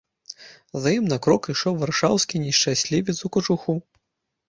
За ім на крок ішоў варшаўскі нешчаслівец у кажуху.